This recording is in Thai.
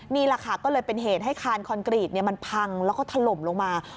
นี่แหละค่ะก็เลยเป็นเหตุให้คานคอนกรีตมันพังแล้วก็ถล่มลงมา